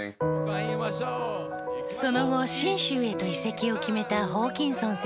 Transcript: その後信州へと移籍を決めたホーキンソン選手。